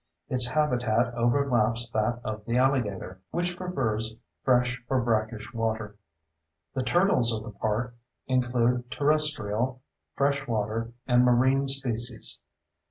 Its habitat overlaps that of the alligator, which prefers fresh or brackish water. The turtles of the park include terrestrial, fresh water, and marine species.